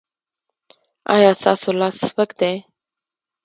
ایا ستاسو لاس سپک دی؟